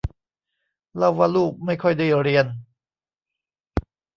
เล่าว่าลูกไม่ค่อยได้เรียน